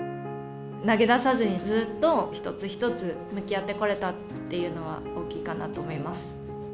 投げ出さずにずっと一つ一つ向き合ってこれたのは大きいと思います。